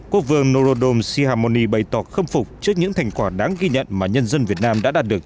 quốc vương norodom sihamoni bày tỏ khâm phục trước những thành quả đáng ghi nhận mà nhân dân việt nam đã đạt được